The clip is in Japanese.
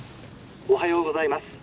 おはようございます。